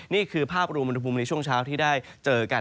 นี่คือภาพรวมอุณหภูมิในช่วงเช้าที่ได้เจอกัน